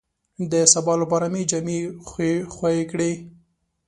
د سبا لپاره مې جامې خوې کړې.